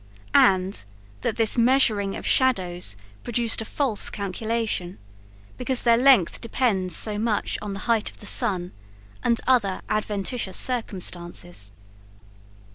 And, that this measuring of shadows produced a false calculation, because their length depends so much on the height of the sun, and other adventitious circumstances.